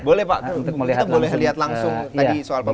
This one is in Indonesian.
boleh pak kita boleh lihat langsung tadi soal pembangunan